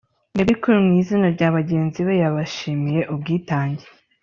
Bebe Cool mu izina rya bagenzi be yabashimiye ubwitange